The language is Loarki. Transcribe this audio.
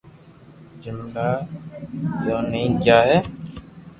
جملا بو ٺئي گيا ھي